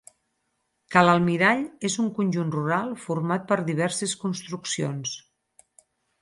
Ca l'Almirall és un conjunt rural format per diverses construccions.